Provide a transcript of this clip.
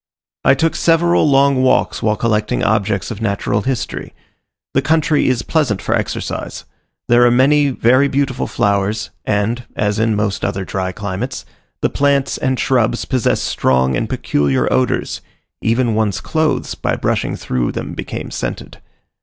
I took several long walks while collecting objects of natural history. The country is pleasant for exercise. There are many very beautiful flowers; and, as in most other dry climates, the plants and shrubs possess strong and peculiar odours even one's clothes by brushing through them became scented.